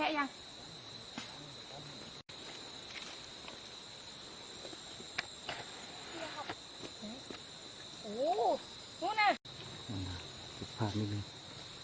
แทรงต่ำเท่าไหร่